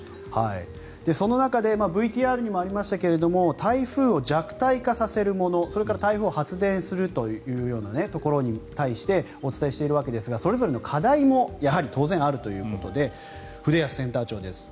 その中でＶＴＲにもありましたが台風を弱体化させることそして台風で発電するということをお伝えしているわけですがそれぞれの課題もあるということで筆保センター長です。